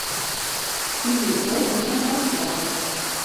Spylje de voicemail fan Froukje ôf.